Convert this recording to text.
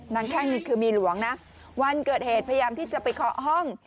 แข้งนี่คือเมียหลวงนะวันเกิดเหตุพยายามที่จะไปเคาะห้อง